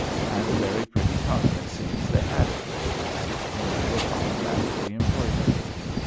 And a very pretty time it seems they had at Gravesend, when you look on the back of the embroidery.